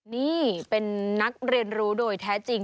นี่เป็นนักเรียนรู้โดยแท้จริง